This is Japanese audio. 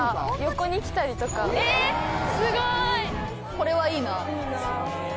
これはいいな。